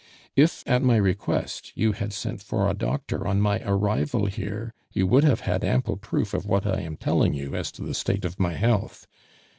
"If, at my request, you had sent for a doctor on my arrival here, you would have had ample proof of what I am telling you as to the state of my health.